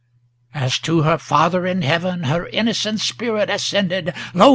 As to her Father in heaven her innocent spirit ascended, Lo!